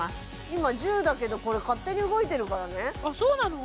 今１０だけどこれ勝手に動いてるからねあっそうなの？